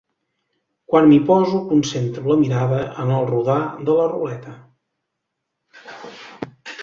Quan m'hi poso concentro la mirada en el rodar de la ruleta.